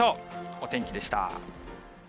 お天気でした。